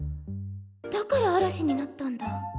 だからあらしになったんだ。